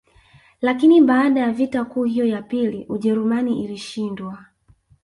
Lakini baada ya vita kuu hiyo ya pili Ujerumani ilishindwa